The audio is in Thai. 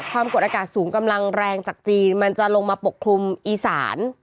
ความกดอากาศสูงกำลังแรงจากจีนมันจะลงมาปกคลุมอีสาน